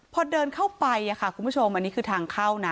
พอเดินเข้าไปคุณผู้ชมอันนี้คือทางเข้านะ